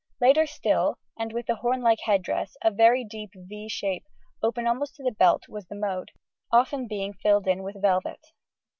Later still, and with the hornlike head dress, a very deep =V= shape, open almost to the belt was the mode, often being filled in with velvet.